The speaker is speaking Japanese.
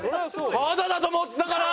タダだと思ってたから！